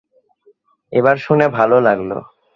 এবার শুনে ভাল লাগল!